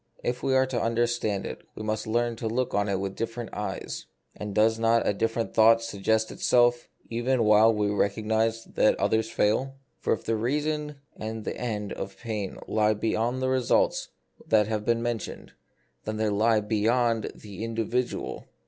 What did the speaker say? If we are to understand it, we must learn to look on it with different eyes. And does not a different thought suggest itself even while we recognise that the others fail ? For if the reason and the end of pain lie beyond the results that have been mentioned, then they lie beyond the individual.